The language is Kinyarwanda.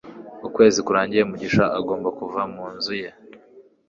ukwezi kurangiye mugisha agomba kuva mu nzu ye